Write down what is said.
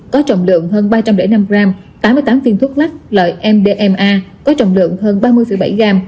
có trọng lượng hơn ba trăm linh năm gram tám mươi tám viên thuốc lắc loại mdma có trọng lượng hơn ba mươi bảy gram